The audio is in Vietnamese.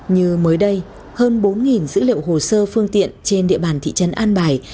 như mới đây hơn bốn dữ liệu hồ sơ phương tiện trên địa bàn thị trấn an bài